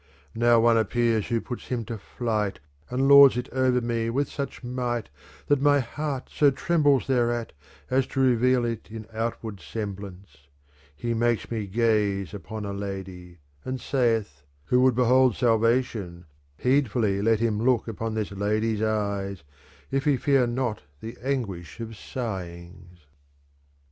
Now one appears who puts him to flight And lords it over me with such might that my heart so trembles thereat as to reveal it in outward semblance. He makes me gaze upon a lady. And saith :' Who would behold salvation heedfuUy let him look upon this lady's eyes if he fear not the anguish ofsighings.'